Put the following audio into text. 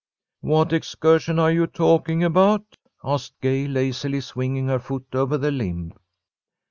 "What excursion are you talking about?" asked Gay, lazily swinging her foot over the limb.